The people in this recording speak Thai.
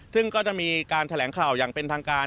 ซึ่งก็จะมีการแถลงข่าวอย่างเป็นทางการ